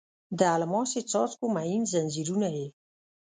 د الماسې څاڅکو مهین ځنځیرونه یې